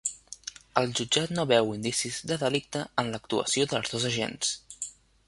El jutjat no veu indicis de delicte en l'actuació dels dos agents